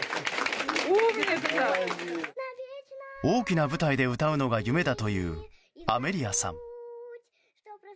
大きな舞台で歌うのが夢だというアメリアさん。